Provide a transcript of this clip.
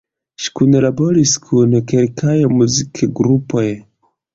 Ŝi kunlaboris kun kelkaj muzikgrupoj.